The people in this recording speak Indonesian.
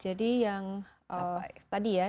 jadi yang tadi ya